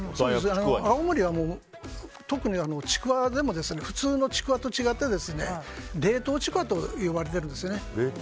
青森は特にちくわでも普通のちくわと違って冷凍ちくわと呼ばれているんですね